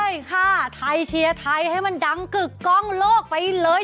ใช่ค่ะไทยเชียร์ไทยให้มันดังกึกกล้องโลกไปเลย